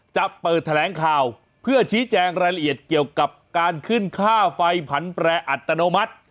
จะเปิดแถลงข่าวเพื่อชี้แจงรายละเอียดเกี่ยวกับการขึ้นค่าไฟผันแปรอัตโนมัติ